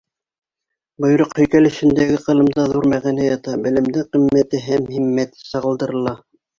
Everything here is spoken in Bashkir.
Бойороҡ һөйкәлешендәге ҡылымда ҙур мәғәнә ята, белемдең ҡиммәте һәм һиммәте сағылдырыла.